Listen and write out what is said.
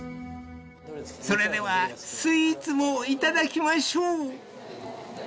［それではスイーツもいただきましょう］